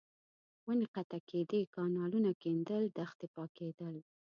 ونې قطع کېدې، کانالونه کېندل، دښتې پاکېدل.